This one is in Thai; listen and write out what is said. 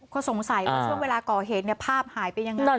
ก็สงสัยว่าช่วงเวลาก่อเหตุภาพหายไปยังไง